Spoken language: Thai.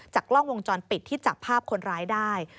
กล้องวงจรปิดที่จับภาพคนร้ายได้